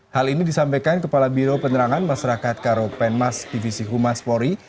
hal ini disampaikan kepala biro penerangan masyarakat karo penmas divisi humas polri